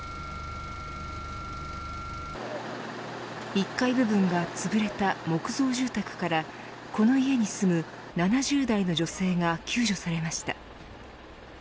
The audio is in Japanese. １階部分がつぶれた木造住宅からこの家に住む７０代の女性が救助されました。